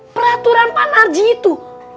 peraturan pak narji itu